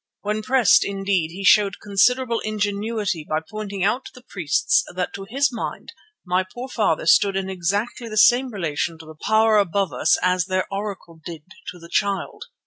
When pressed, indeed, he showed considerable ingenuity by pointing out to the priests that to his mind my poor father stood in exactly the same relation to the Power above us as their Oracle did to the Child.